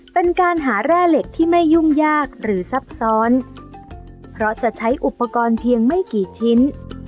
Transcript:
เป็นการหาแร่เหล็กที่ไม่ยุ่งยากหรือซับซ้อนเพราะจะใช้อุปกรณ์เพียงไม่กี่ชิ้น